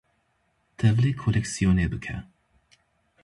tevlî koleksiyonê bike.